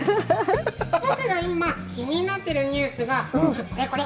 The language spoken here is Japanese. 僕が今気になっているニュースがこれ。